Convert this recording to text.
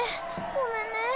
ごめんね。